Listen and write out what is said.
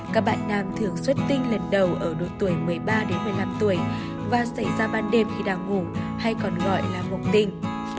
các bạn nam thường xuất tinh lần đầu ở độ tuổi một mươi ba một mươi năm tuổi và xảy ra ban đêm khi đang ngủ hay còn gọi là mục tinh